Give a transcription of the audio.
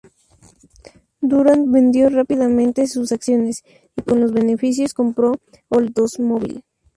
Durant vendió rápidamente sus acciones, y con los beneficios compró Oldsmobile.